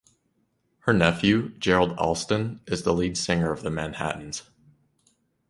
Her nephew, Gerald Alston is the lead singer of The Manhattans.